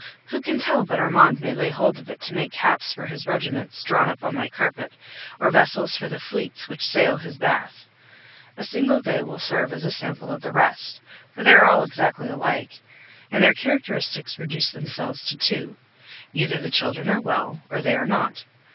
Who can tell but Armand may lay hold of it to make caps for his regiments drawn up on my carpet, or vessels for the fleets which sail his bath! A single day will serve as a sample of the rest, for they are all exactly alike, and their characteristics reduce themselves to two either the children are well, or they are not.